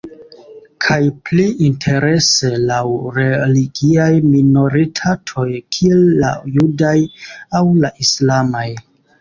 Kaj pli interese laŭ religiaj minoritatoj, kiel la judaj aŭ la islamaj.